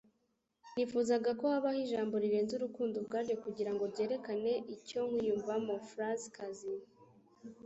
nifuzaga ko habaho ijambo rirenze 'urukundo' ubwaryo kugira ngo ryerekane icyo nkwiyumvamo. - faraaz kazi